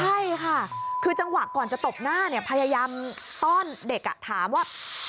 ใช่ค่ะคือจังหวะก่อนจะตบหน้าเนี่ยพยายามต้อนเด็กถามว่า